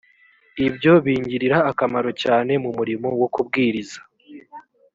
ibyo bingirira akamaro cyane mu murimo wo kubwiriza